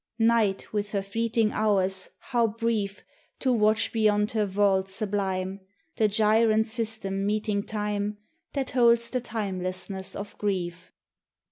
Night with her fleeting hours, how brief To watch beyond her vault sublime The gyrant systems meting Time, That holds the timelessness of grief!